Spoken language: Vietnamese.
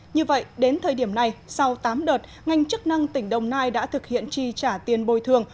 như vậy đến thời điểm này sau tám đợt ngành chức năng tỉnh đồng nai đã thực hiện tri trả tiền bồi thường